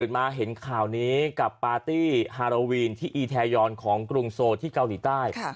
มาเห็นข่าวนี้กับปาร์ตี้ฮาราวีนที่อีแทยอนของกรุงโซที่เกาหลีใต้